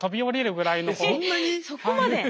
そこまで！？